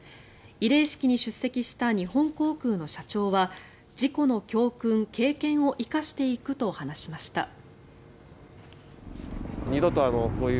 慰霊式に出席した日本航空の社長は事故の教訓、経験を生かしていくと話しました。